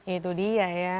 itu dia ya